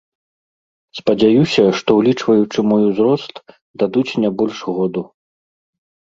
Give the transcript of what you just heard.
Спадзяюся, што ўлічваючы мой узрост дадуць не больш году.